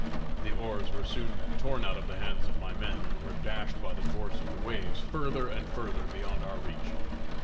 The oars were soon torn out of the hands of my men, and were dashed by the force of the waves further and further beyond our reach.